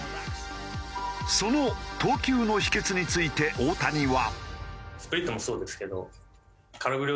その投球の秘訣について大谷は。